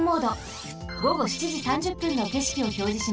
ごご７時３０分のけしきをひょうじします。